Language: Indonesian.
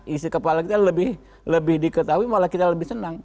isi kepala kita lebih diketahui malah kita lebih senang